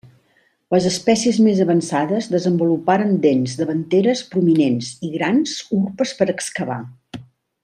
Les espècies més avançades desenvoluparen dents davanteres prominents i grans urpes per excavar.